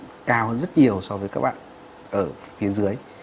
nó cao hơn rất nhiều so với các bạn ở phía dưới